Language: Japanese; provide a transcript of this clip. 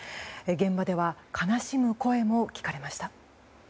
現場では悲しむ声も聞かれました。